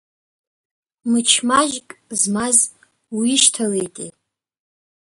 Мыч маҷк змаз уишьҭалеитеи.